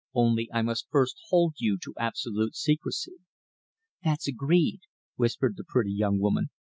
"Only I must first hold you to absolute secrecy." "That's agreed," whispered the pretty young woman.